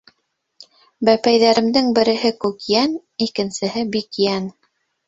Бәпәйҙәремдең береһе Күкйән, икенсеһе - Бикйән.